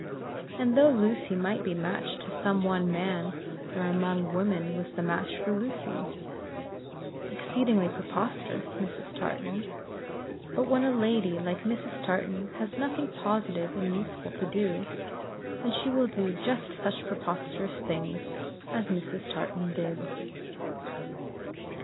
And though Lucy might be matched to some one man, where among women was the match for Lucy? Exceedingly preposterous Mrs. Tartan! But when a lady like Mrs. Tartan has nothing positive and useful to do, then she will do just such preposterous things as Mrs. Tartan did.